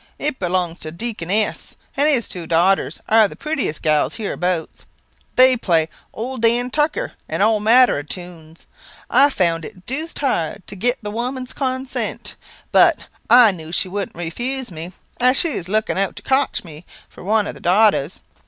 It belongs to Deacon S ; and his two daughters are the prettiest galls hereabouts. They play 'Old Dan Tucker,' and all manner of tunes. I found it deuced hard to get the old woman's consent; but I knew she wouldn't refuse me, as she is looking out to cotch me for one of the daughters.